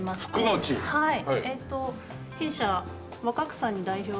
はい。